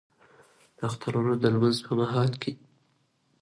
د اخترونو د لمونځ په مهال کې